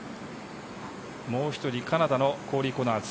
もう１人カナダのコーリー・コナーズ。